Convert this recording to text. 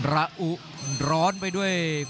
ระอุร้อนไปด้วย